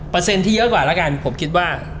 เปอร์เซ็นต์ที่เยอะกว่าละกันผมคิดว่า